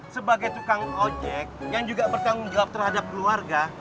sebagai tukang ojek yang juga bertanggung jawab terhadap keluarga